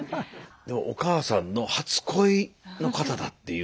でもお母さんの初恋の方だっていう。